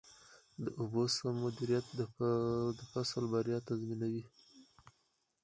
د اوبو سم مدیریت د فصل بریا تضمینوي.